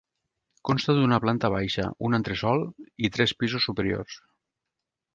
Consta d'una planta baixa, un entresòl i tres pisos superiors.